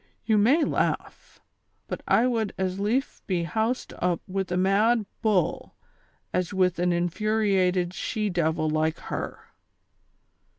—" You may laugh, but I would as lief be housed up with a mad bull as with an infuriated she devil like her."